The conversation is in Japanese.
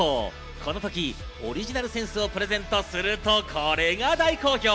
このときオリジナル扇子をプレゼントするとこれが大好評。